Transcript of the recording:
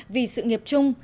vì sự nghiệp chung